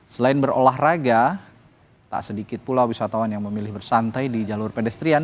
selain berolahraga tak sedikit pula wisatawan yang memilih bersantai di jalur pedestrian